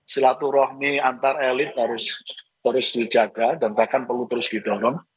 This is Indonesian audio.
silatu rohmi antar elit harus dijaga dan bahkan perlu terus gitu